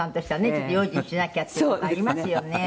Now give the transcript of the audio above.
ちょっと用心しなきゃっていう事ありますよね。